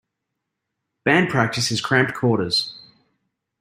Band practice is cramped quarters.